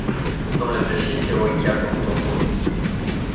Domnule președinte, voi încheia pe un ton pozitiv.